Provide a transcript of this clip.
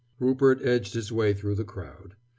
Rupert edged his way through the crowd.